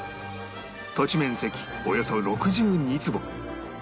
土地面積およそ６２坪